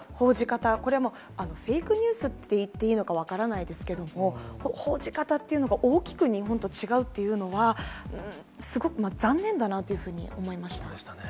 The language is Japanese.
これはフェイクニュースって言っていいのか分からないですけども、報じ方というのが大きく日本と違うというのは、すごく残念だなというふうに思いました。